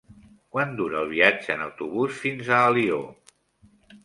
Quant dura el viatge en autobús fins a Alió?